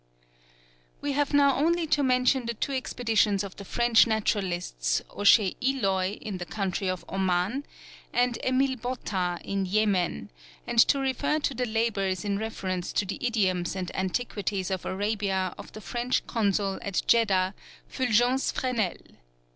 We have now only to mention the two expeditions of the French naturalists, Aucher Eloy in the country of Oman, and Emile Botta in Yemen, and to refer to the labours in reference to the idioms and antiquities of Arabia of the French consul at Djedda, Fulgence Fresnel.